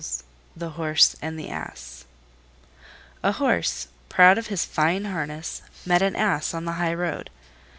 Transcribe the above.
THE HORSE AND THE ASS A Horse, proud of his fine harness, met an Ass on the high road.